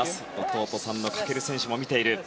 弟さんの翔選手も見ている。